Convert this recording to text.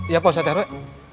iya pak ustaz t r w